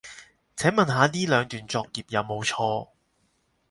請問下呢兩段作業有冇錯